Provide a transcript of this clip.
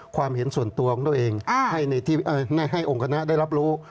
ความเห็นส่วนตัวของตัวเองให้องค์คณะได้รับรู้